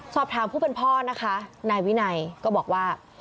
สอบถามผู้เป็นพ่อนะคะนายวินัยก็บอกว่า